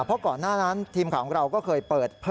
เพราะก่อนหน้านั้นทีมข่าวของเราก็เคยเปิด